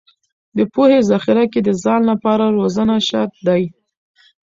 د پوهې ذخیره کې د ځان لپاره روزنه شرط دی.